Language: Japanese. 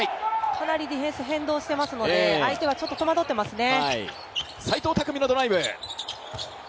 かなりディフェンス変動してますので、相手はかなり戸惑ってますね。